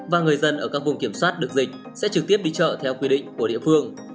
và người dân ở các vùng kiểm soát được dịch sẽ trực tiếp đi chợ theo quy định của địa phương